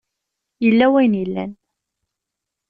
Yella wayen yellan.